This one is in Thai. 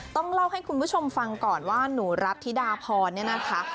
ต้องเล่าให้คุณผู้ชมฟังก่อนว่าหนูรัฐธิดาพรเนี่ยนะคะ